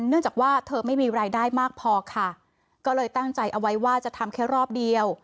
เนื่องจากว่าเธอไม่มีรายได้มากพอค่ะก็เลยตั้งใจเอาไว้ว่าจะทำแค่รอบเดียว